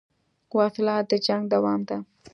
وسله د جنګ دوام ده